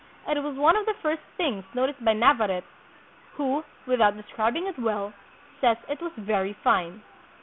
It was one of the first things noticed by Navarrete, who, without describing it well, says it was very fine.